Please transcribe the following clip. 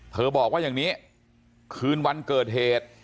บอกว่าอย่างนี้คืนวันเกิดเหตุ